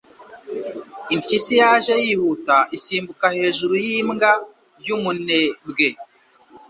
Impyisi yaje yihuta isimbuka hejuru yimbwa yumunebwe.